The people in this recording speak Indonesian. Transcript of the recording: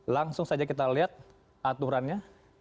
langsung saja kita lihat aturannya